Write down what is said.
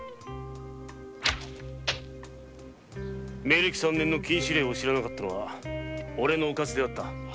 明暦３年の禁止令を知らなかったのはオレのウカツであった。